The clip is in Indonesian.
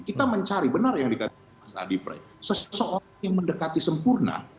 kita mencari benar yang dikatakan mas adi pray seseorang yang mendekati sempurna